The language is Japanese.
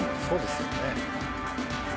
そうですよね。